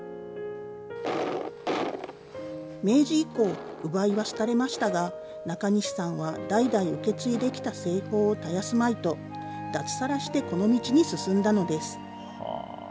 明治以降、烏梅は廃れましたが、中西さんは代々受け継いできた製法を絶やすまいと、脱サラしてこの道に進んだのです。